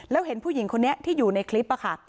แล้วเห็นผู้หญิงคนนี้ที่อยู่ในคลิปค่ะ